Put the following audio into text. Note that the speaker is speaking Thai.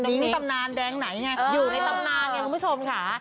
ตำนานแดงไหนไงอยู่ในตำนานไงคุณผู้ชมค่ะ